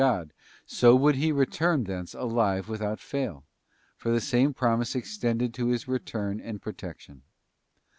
135 God, so would he return thence alive without fail; for the same promise extended to his return and protection.